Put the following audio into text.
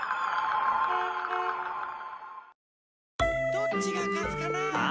どっちがかつかなあ？